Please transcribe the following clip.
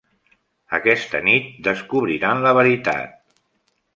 Aquesta nit, descobriran la veritat.